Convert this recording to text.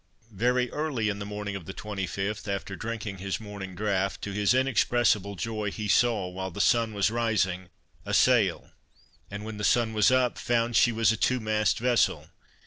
Very early in the morning of the 25th, after drinking his morning draught, to his inexpressible joy he saw, while the sun was rising, a sail, and when the sun was up, found she was a two mast vessel.